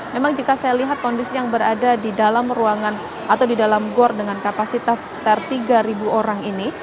memang jika saya lihat kondisi yang berada di dalam ruangan atau di dalam gor dengan kapasitas sekitar tiga orang ini